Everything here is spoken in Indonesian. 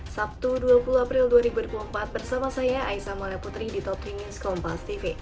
sabtu dua puluh april dua ribu empat belas bersama saya aisyah malay putri di top tiga news kelompok tv